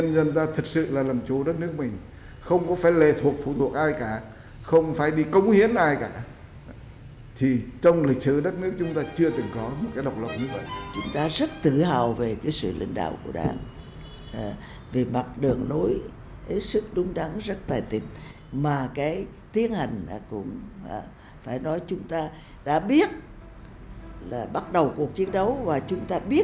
mà cái tiến hành cũng phải nói chúng ta đã biết là bắt đầu cuộc chiến đấu và chúng ta biết kết thúc cuộc chiến đấu